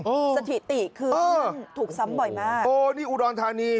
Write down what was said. สถิติคือถูกซ้ำบ่อยมากโอ้นี่อุดรธานี